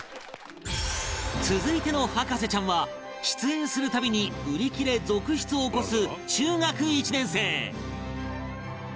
続いての博士ちゃんは出演するたびに売り切れ続出を起こす中学１年生